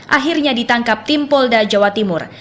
akhirnya ditangkap tim polda jawa timur